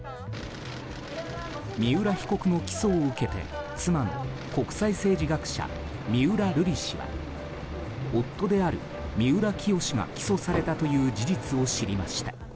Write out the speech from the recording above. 三浦被告の起訴を受けて妻の国際政治学者三浦瑠麗氏は夫である三浦清志が起訴されたという事実を知りました。